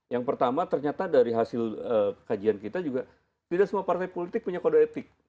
yang pertama ternyata dari hasil kajian kita juga tidak semua partai politik punya kode etik